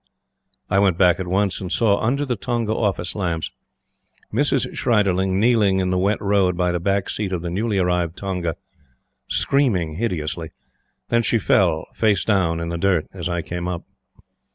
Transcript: I went back at once and saw, under the Tonga Office lamps, Mrs. Schreiderling kneeling in the wet road by the back seat of the newly arrived tonga, screaming hideously. Then she fell face down in the dirt as I came up.